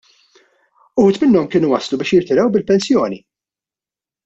Uħud minnhom kienu waslu biex jirtiraw bil-pensjoni!